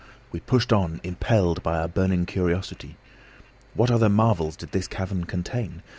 We pushed on, impelled by our burning curiosity. What other marvels did this cavern contain?